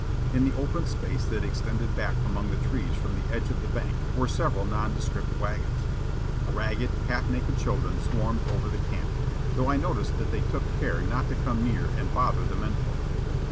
In the open space that extended back among the trees from the edge of the bank were several nondescript wagons. Ragged, half naked children swarmed over the camp, though I noticed that they took care not to come near and bother the men folk.